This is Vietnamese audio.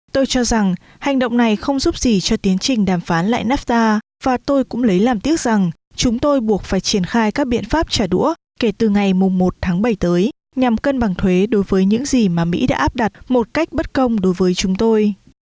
tôi cho rằng hành động này không giúp gì cho tiến trình đàm phán lại nafta và tôi cũng lấy làm tiếc rằng chúng tôi buộc phải triển khai các biện pháp trả đũa kể từ ngày một tháng bảy tới nhằm cân bằng thuế đối với những gì mà mỹ đã áp đặt một cách bất công đối với chúng tôi